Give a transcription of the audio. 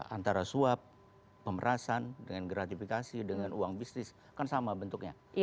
antara suap pemerasan dengan gratifikasi dengan uang bisnis kan sama bentuknya